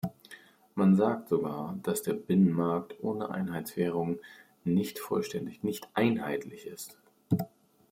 Man sagt sogar, dass der Binnenmarkt ohne Einheitswährung nicht vollständig, nicht "einheitlich" ist.